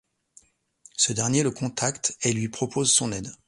Ce dernier le contacte et lui propose son aide.